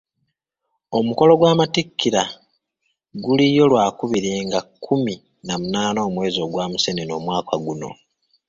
Omukolo gw'amattikira guliyo lwakubiri nga kkumi na munaana omwezi gwa museenene omwaka guno.